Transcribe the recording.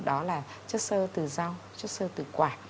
đó là chất sơ từ rau chất sơ từ quả